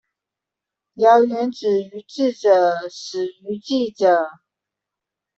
謠言止於智者，始於記者